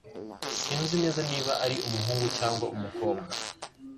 Sinzi neza niba ari umuhungu cyangwa umukobwa.